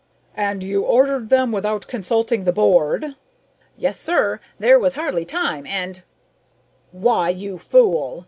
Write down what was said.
"And you ordered them without consulting the Board?" "Yes, sir. There was hardly time and " "Why, you fool!